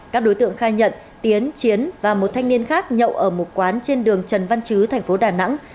các đối tượng khai nhận tiến chiến và một thanh niên khác nhậu ở một quán trên đường trần văn chứ thành phố đà nẵng